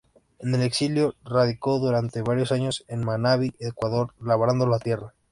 En el exilio, radicó durante varios años en Manabí, Ecuador, labrando la tierra.